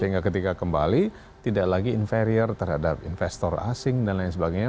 sehingga ketika kembali tidak lagi inferior terhadap investor asing dan lain sebagainya